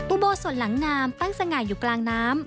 อุโบสถหลังงามตั้งสง่าอยู่กลางน้ำ